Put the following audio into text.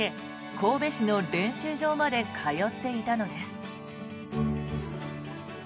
神戸市の練習場まで通っていたのです。